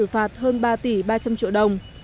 phạt hơn ba tỷ ba trăm linh triệu đồng